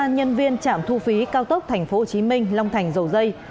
ba nhân viên trạm thu phí cao tốc tp hcm long thành dầu dây